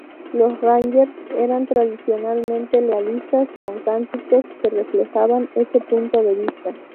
Los Rangers eran tradicionalmente lealistas, con cánticos que reflejaban ese punto de vista.